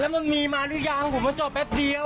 มันมีมาหรือยังผมมาจอดแป๊บเดียว